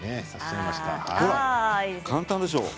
簡単でしょ。